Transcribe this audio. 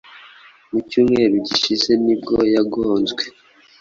Mu cyumweru gishize nibwo yagonzwe